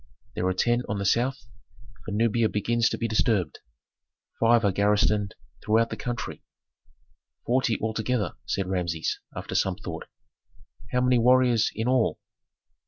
There are ten on the south, for Nubia begins to be disturbed; five are garrisoned throughout the country." "Forty altogether," said Rameses, after some thought. "How many warriors in all?"